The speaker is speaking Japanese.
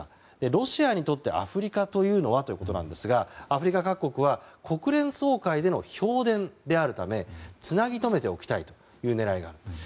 ロシアにとって、アフリカというのはということですがアフリカ各国は国連総会での票田であるためつなぎとめておきたいという狙いがある。